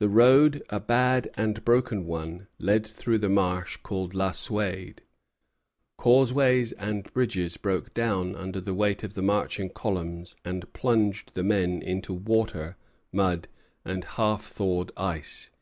The road, a bad and broken one, led through the marsh called La Suède. Causeways and bridges broke down under the weight of the marching columns and plunged the men into water, mud, and half thawed ice.